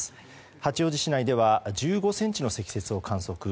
八王子市内では１５ｃｍの積雪を観測。